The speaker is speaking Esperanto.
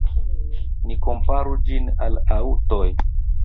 Ni komparu ĝin al aŭtoj.